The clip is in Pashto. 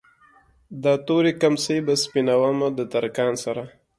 دا تورې کمڅۍ به سپينومه د ترکان سره